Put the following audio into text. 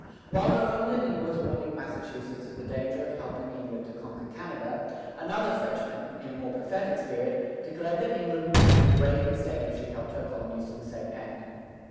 While La Ronde Denys was warning Massachusetts of the danger of helping England to conquer Canada, another Frenchman, in a more prophetic spirit, declared that England would make a grave mistake if she helped her colonies to the same end.